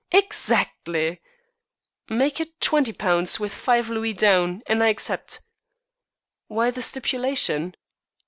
"Exactly!" "Make it £20, with five louis down, and I accept." "Why the stipulation?"